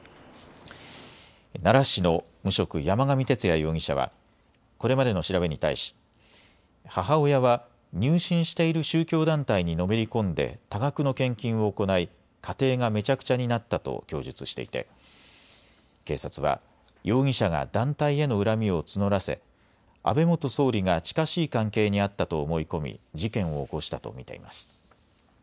奈良市の無職、山上徹也容疑者はこれまでの調べに対し母親は入信している宗教団体にのめり込んで多額の献金を行い家庭がめちゃくちゃになったと供述していて警察は容疑者が団体への恨みを募らせ安倍元総理が近しい関係にあったと思い込み事件を起こしたと見ています。